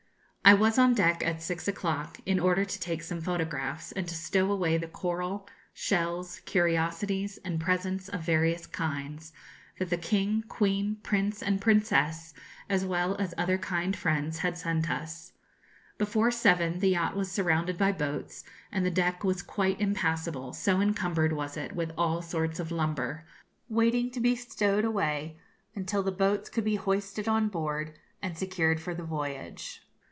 I was on deck at six o'clock, in order to take some photographs and to stow away the coral, shells, curiosities, and presents of various kinds, that the King, Queen, Prince and Princess, as well as other kind friends, had sent us. Before seven the yacht was surrounded by boats, and the deck was quite impassable, so encumbered was it with all sorts of lumber, waiting to be stowed away, until the boats could be hoisted on board and secured for the voyage.